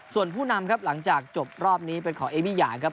ส่วนผู้นำครับหลังจากจบรอบนี้เป็นของเอมี่อย่างครับ